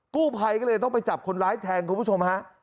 กู้ภัยก็เลยต้องไปจับคนร้ายแทงคุณผู้ชมฮะ